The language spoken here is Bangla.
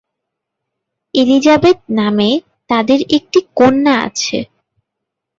এলিজাবেথ নামে তাদের এক কন্যা আছে।